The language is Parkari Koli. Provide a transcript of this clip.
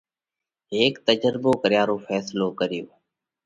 هيڪ تجرڀو ڪريا رو ڦينصلو ڪريو۔